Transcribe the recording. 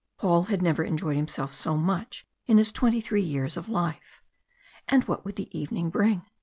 Paul had never enjoyed himself so much in his twenty three years of life. And what would the evening bring?